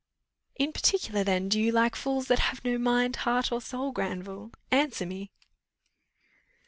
"In particular, then, do you like fools that have no mind, heart, or soul, Granville? Answer me."